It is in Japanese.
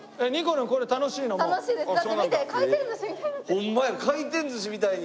ホンマや回転寿司みたいに。